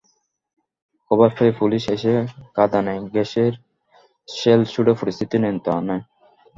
খবর পেয়ে পুলিশ এসে কাঁদানে গ্যাসের শেল ছুড়ে পরিস্থিতি নিয়ন্ত্রণে আনে।